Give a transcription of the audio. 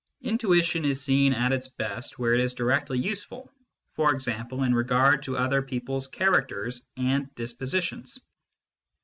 Intuition is seen at its best where it is directly useful, for example in regard to other people s characters and dispositions.